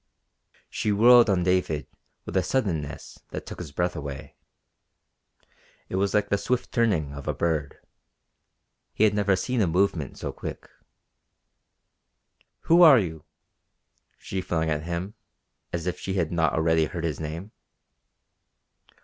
She whirled on David with a suddenness that took his breath away. It was like the swift turning of a bird. He had never seen a movement so quick. "Who are you?" she flung at him, as if she had not already heard his name.